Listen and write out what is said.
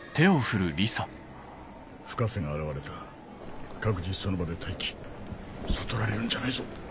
深瀬が現れた各自その場で待機悟られるんじゃないぞ！